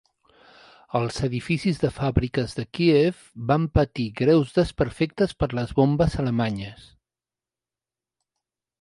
Els edificis de fàbriques de Kíev van patir greus desperfectes per les bombes alemanyes.